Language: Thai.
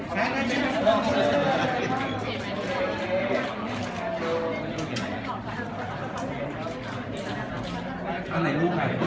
ก็เดินมาทำอันนี้ได้ไหม